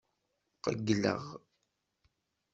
Qeyyleɣ.